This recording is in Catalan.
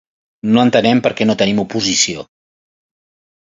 No entenem per què no tenim oposició.